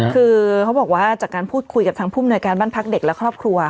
คือเขาบอกว่าจากการพูดคุยกับทางภูมิหน่วยการบ้านพักเด็กและครอบครัว